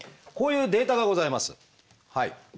こういうデータがございます。